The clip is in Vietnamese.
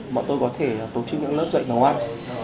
bọn tôi có thể tổ chức những lớp dạy nấu ăn